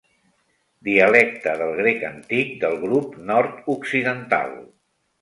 Dialecte del grec antic del grup nord-occidental.